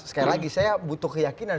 sekali lagi saya butuh keyakinan